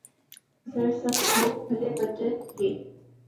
سر سبز ہو، بھلے بنجر، یہ